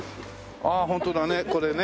ああホントだねこれね。